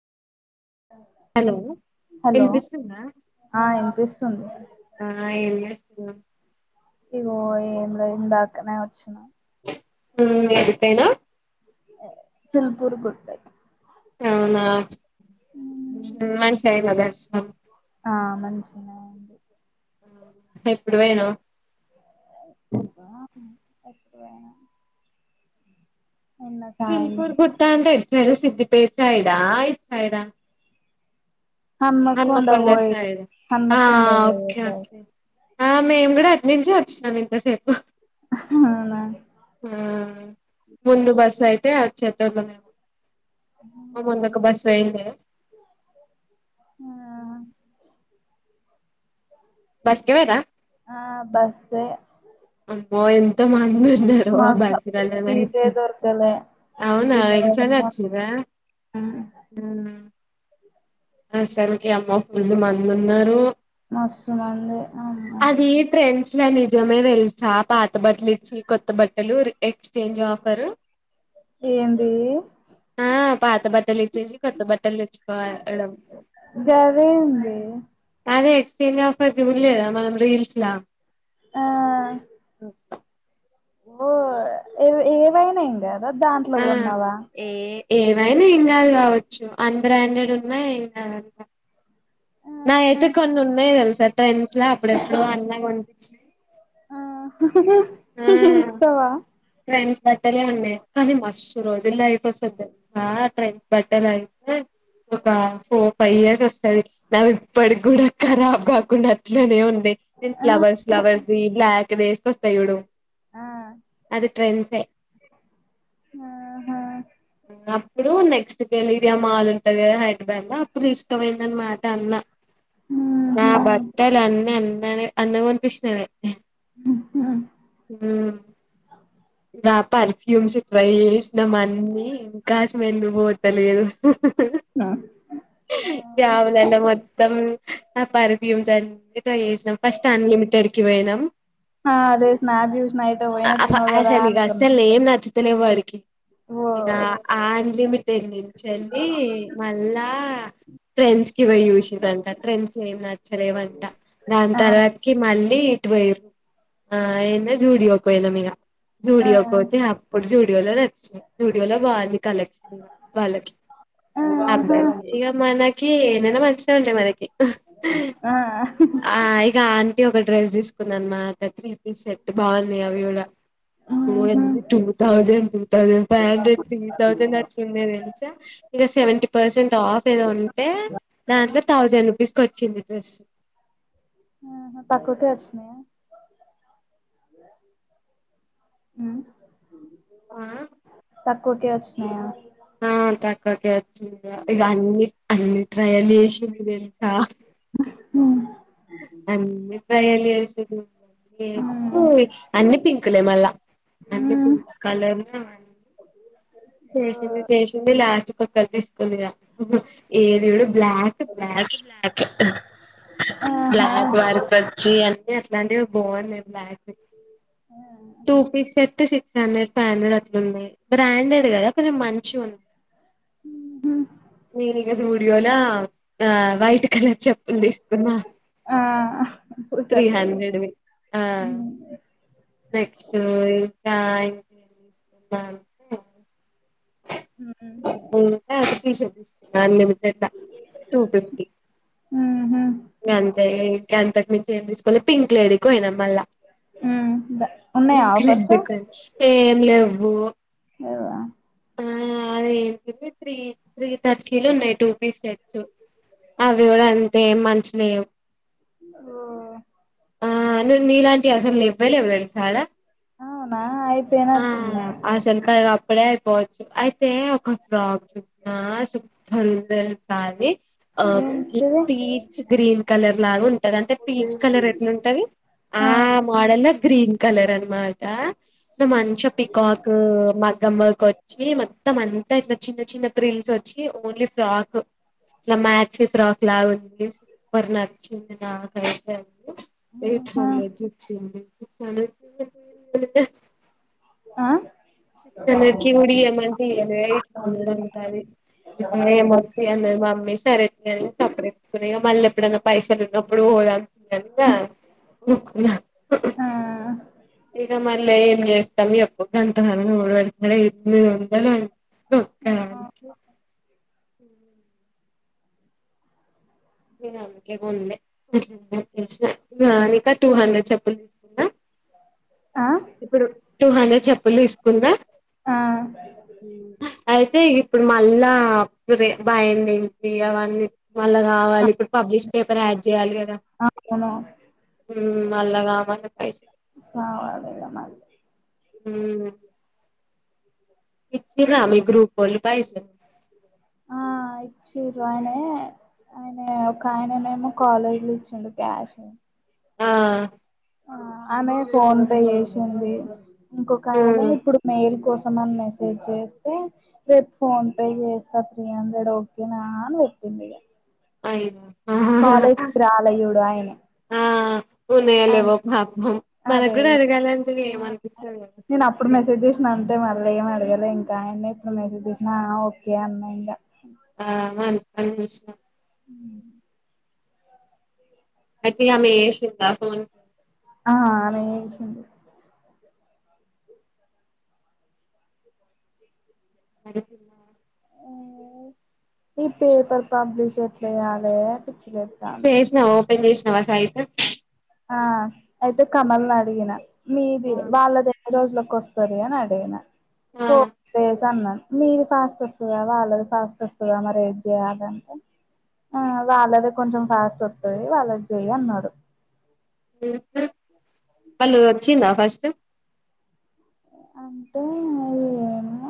Hello ఇన్పిస్తుంది hello వినిపిస్తుందా ఆ ఇన్పిస్ తుంది ఆ ఏ యుఎస్ అ ఇగో ఏంలేదు ఇందాకనే వచ్చిన ఉ ఎంతైన చిల్పూర్ గుట్టయి అవునా మనుషయి మదా అ ఆ మంచిగునదండి ఎప్పుడు ఓయినవ్ [unintelligible] ఎప్పుడు ఒయినవ్ చిల్పూర్ పుట్టా అంటే at side Siddipet side ఆ ఇట్ సైడ్ ఆ హన్మకొండ సైడ్ ఆ హన్మకొండ పోయేసారు ఓకేకే ఆ మేము గూడా అటి నుంచె ఒచ్చినం ఇంతసేపు అవునా ఆ ముందు బస్ అయితే చెతో అ ముంద ఒక బస్ వెయింది బస్కివోయ్ండ్రా ఆ బస్ ఏ ఓయమ్ తు మందున్నారు ఆ మస్తు సీటే బసలలనయితే దొరకలే అవునా ఎల్చొనే వొచ్చిండ్రా ఊ ఆ సరకి అమ్మ ఫుల్లు మందు ఉన్నరు మస్తుమంది అమ్మో చి నిజమేనే తెలుసా పాత బట్టలు ఇచ్చి కొత్త బట్టలు ఎక్స్చేంజ్ ఆఫరు ఏంది ఆ పాత బట్టలు ఇచ్చేసి కొత్త బట్టలు తెచ్చుకోవాలి గదే ఉంది అదే ఎక్స్చేంజ్ ఆఫర్ జూలేదా మనం రీల్స్ లా ఆ అ ఓ ఏ ఏవయినా ఎంగాద్ అద్ దాంట్లో కొన్నావా ఏమైనా ఏం కాదు కావచ్చు అన్బ్రాండెడ్ ఉన్నా ఏం గాదంట నాయ ఆహా ఐతే కొన్ని ఉన్నయ్ దెల్సా ట్రెన్ అలా అప్పుడెప్పుడు అన్న గొనిపిచినయ్ ఉహు ఇహ్ ఇస్తవా ట్రైన్స్ బట్టలే ఉన్నాయి కానీ మస్ రోజుల్లో అయిపోస్తది ఆ ట్రైన్స్ బట్టలయితే ఒక ఫోర్ ఫై ఇయర్స్ ఒస్ అది నావి ఇప్పటి గూడా కరాబ్ గాకుండా అట్లనే ఉ నేన్ ఆ ఫ్లావర్స్ ఫ్లవర్స్ ది బ్లాక్ రేప్ ఏసుకొస్తా యూడు ఆ అది ట్రెండ్స్ ఏ ఆహా వున్నప్ ఇప్పుడు నెక్స్ట్ గలిరియా మాల్ ఉంటది కదా హైదరాబాద్ లో అప్పుడు తీస్కోబోయిండు అనమాట అన్న నా ఉహు బట్టల్ అన్ని అన్ నేనిగ అన్న కొనిపిచ్చినాడు హు ఇగ ఆ పర్ఫ్యూమ్స్ ట్రై చేసినం అన్ని ఇంకా స్మెల్ పోతలేదు. బ్యాగులలో మొత్తం ఆ పర్ఫ్యూమ్స్ అన్ ఇట్టా చేసినాం ఫస్ట్ అన్లిమిటెడ్ కి పోయినాం ఆ అదే స్నాభి ఉష్ణయి అ ఆశనిగస్సల్ ఏం నచ్చు తలేవ్ వాడికి ఓ ఇక ఆన్ లిమిట్ ఇక్కనుంచెల్లి మళ్ళా ట్రెండ్స్ కి పోయి చూసిందంట ట్రెండ్స్ ఏం నచ్చలేవంట దాని ఆ తర్వాతకిి మళ్ళీ ఇటు పోయిర్ ఆయిన జుడియో పోయినం ఇగ ఆ జూడియో కి పోతే అప్పుడు చూడ్ జూడియో లో నచ్చినయి జూడియో లొ బావుంది కలెక్షన్ వాళ్ళకి ఆహా అబ్బాయిలకీ ఇగ మనకి కి ఏదైనా మంచినే ఉంటాయి మనకి. ఆ ఆ ఇక అన్ కి ఒక డ్రెస్ తీసుకున్న అన్నమాట త్రీ ఈ సెట్ బాన్ [unintelligible] ఉహు ఓయమ్మ two thousand to thousand five hundred three thousand అట్లా ఉండే తెలుసా, ఇగ సెవెంటీ పర్సెంట్ ఆఫ్ ఏదో ఉంటే దాంట్లో తౌసండ్ రూపీ స్కి కొచ్చింది డ్రెస్ ఆహ తక్కువ్కె వచ్చినయా ఉ ఆ తక్కువకె వచ్చినయా తక్కువ్కె ఇవన్నీ అన్ని ట్రయల్ చేసింది తెలుసా ఉ అన్ని ట్రయల్ చేసింది. [unintelligible] అన్ని పింకులే మళ్ళా అన్ని పింక్ కలర్ లో అన్ని చేసింది చేసింది లాస్ట్ కొ కట్ తీస్ కుందిగ ఏది చూడు బ్లాక్ బ్లాక్ బ్లాక్ ఆహా బ్లాక్ మార్కొచ్చి అంటే ప్యంటేవ్ బాగున్నాయి black two piece set six P branded branded అట్లున్నాయి. బ్రాండెడ్ కదా కొంచెం మంచిగున్నాయి. నేనీగా జు జుడియోలా ఆ వైట్ కలర్ చెప్పులు తీసుకున్నా ఆ త్రీ సరిపోదు హండ్రెడ్వి ఆ ఊ నెక్స్ట్ ఇంకా ఏమైనా తీసుకుందామ్ అంటే హు ఇంకా ఒక టీ షర్ట్ తీసుకున్న అన్లిమిటెడ్ల టూ ఫిఫ్టీ ఊహు ఇంగంతే గంతకి మీంచి ఏం తీసులోలే పింక్ లేడ్కి పోయినాం. మళ్ళా ఉన్నాయా ఆఫర్స్ ఏం లేవ్వు. లేవా ఆ అదే ఏంటడి త్రీ త్రీ థర్టీ లో ఉన్నాయి టూ పీస్ సేట్స్ అవ్వి గుడా అన్ తే మంచిలేవ్ ఓ ఆ నే నీలాంటివి అస్సలు లేవ్వేలేవ్ అస్సలడ అవునా అయిపోయినట్టున్నాయి. అసలుకి అది అప్పుడే అయిపోవచ్చు అయితే ఒక ఫ్రాక్ చూసిన సూపర్ ఉంది తెలుసా అది ఆ ఏంటిది పీచ్ గ్రీన్ కలర్ లాగా ఉంటది అంటే పీచ్ కలర్ ఉంటది. ఆ మోడల్ గ్రీన్ కలర్ అని మాట ఇగ మంచిగా పికాక్ మగ్గమ్ వర్క్ వచ్చి మొత్తం అంతా ఇట్ల చిన్న చిన్న ట్రిల్స్ వచ్ చ్చి ఓన్లీ ఫ్రాక్ ఇట్ల మ్యాక్సీ ఫ్రాక్ స్లాగ్ ఇగ సూపర్ నచ్చింది నాకైతే [unintelligible] ఎయిట్ ఆహా, హండ్రెడ్ చెప్పింది. సిక్స్ హండ్రెడ్ కీదా ఏం లేదింతే ఆ సిక్స్ హండ్రెడ్ కి కూడా మంత్లీ ఎయిట్ హండ్రెడ్ ఉంటాది ఏమవుతా అన్న మమ్మీ సర అతుని సపరేట్కుని ఇక మళ్ళీ ఎప్పుడైనా పైసలు ఉన్నప్పుడు దన్నా ఇఊకు ఆ ఇక మళ్ళీ ఏం చేస్తాం ఎప్పు [unintelligible] [unintelligible] అ ఉంది ఇక టూ హండ్రెడ్ చెప్పులు తీసుకున్నాా ఆ ఇప్పుడు టూ హండ్రెడ్ చెప్పులు తీసుకుందా ఆ అయితే ఇప్పుడు మళ్ళా బాయంది ఏంటి అవన్నీ మళ్ళా ఆ, కావాలి ఇప్పుడు పబ్లిష్ పేపర్ యాడ్ చేయాలి కదా అవును అళ్లా కావై కావాలిగా మరి హ ఇ రామ గ్రూప్ బల్ పయ స జాయిన్ ఆయన ఒక ఆయననేమో కాలేజీ లో ఇచ్చిండు క్యాష్ ఆ ఆమె ఫోన్ పే చేసింది ఇంకొక ఆయన మ్మ్ ఇప్పుడు మేయిల్ కోసం మని మెసేజ్ చేస్తే రేపు ఫోన్ పే చేస్తా త్రీ హండ్రెడ్ ఓకేనా అని పెట్టింది ఇ ఐ రాలే చూడు ఆయనే ఆ ఉన్నాయో ఆయన్ లేవోయ్ పాపం మనకు అదే కూడా ఇగ అడగాలంటే ఆ ఏమనిపిస్తుంది అ మళ్ళీ ఏం అడగలే ఇంకా ఆయన్న ఇప్పుడు మేసి తీసిన ఓకే అన్నాయి ఇంకా ఆ అ అయితే ఆమె ఎసిండా ఫన్ ఆ ఆమే ఏసింది ఈ పేపర్ పబ్లిష ఆదే పిచ్చే చెస్టాండి పెజేష్ణవాసయిట్ ఆ అయితే కమల్ అడిగిన మీది ఆ వాళ్ళది ఎన్ని రోజులలకు వస్తుంది అని అడిగినను ఆ ఫోర్ డేస్ అన్నాను మీది ఫాస్ట్ వస్తుందా వాళ్ళది ఫాస్ట్ వస్తుందా మరి ఏది చేయాలంటే ఆ వాళ్ళది కొంచెం ఫాస్ట్ వస్తుంది వాళ్ళది చెయి అన్నాడు వాళ్ళు వచ్చిందా ఫస్ట్ అంటే ఈ